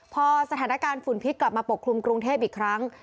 พอสถานการณ์ฝุ่นพิษกลับมาปกคลุมกรุงเทพอีกครั้ง